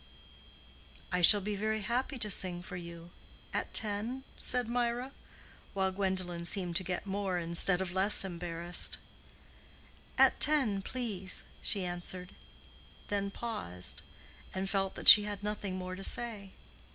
"I shall be very happy to sing for you. At ten?" said Mirah, while Gwendolen seemed to get more instead of less embarrassed. "At ten, please," she answered; then paused, and felt that she had nothing more to say.